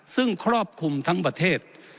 ซึ่งครอบคลุมทั้งประเทศ